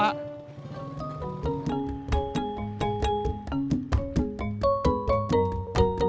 gak ada apa apa